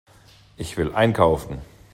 Ich will einkaufen.